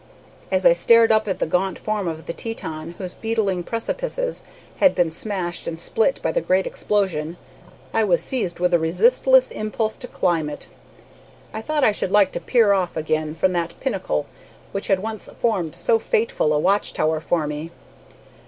"As I stared up the gaunt form of the Teton, whose beetling precipices had been smashed and split by the great explosion, I was seized with a resistless impulse to climb it. I thought I should like to peer off again from that pinnacle which had once formed so fateful a watch tower for me.